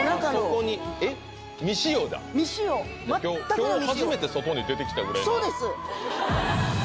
今日初めて外に出てきたぐらいのそうです